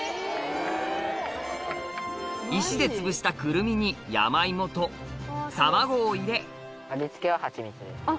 石でつぶしたくるみに山芋と卵を入れ味付けは蜂蜜です。